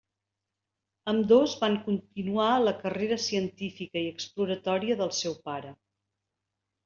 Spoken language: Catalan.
Ambdós van continuar la carrera científica i exploratòria del seu pare.